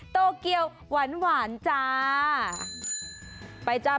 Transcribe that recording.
โตเกียวหวานหวานจ้า